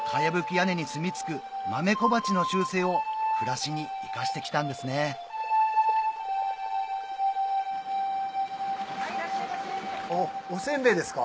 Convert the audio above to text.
屋根にすみ着くマメコバチの習性を暮らしに生かして来たんですねおせんべいですか？